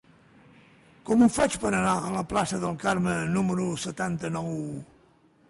Com ho faig per anar a la plaça del Carme número setanta-nou?